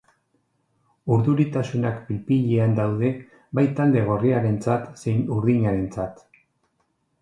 Urduritasunak pil-pilean daude bai talde gorriarentzat zein urdinarentzat.